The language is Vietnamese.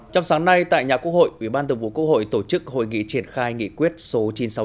trong sáng nay tại nhà quốc hội ubtc tổ chức hội nghị triển khai nghị quyết số chín trăm sáu mươi chín